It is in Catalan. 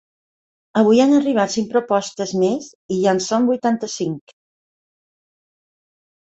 Avui han arribat cinc propostes més, i ja en són vuitanta cinc.